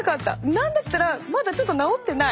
何だったらまだちょっと治ってない。